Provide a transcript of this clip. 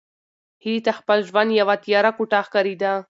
هیلې ته خپل ژوند یوه تیاره کوټه ښکارېده.